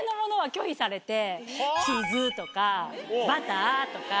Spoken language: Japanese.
チーズとかバターとか。